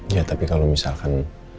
ya tapi kalau misalkan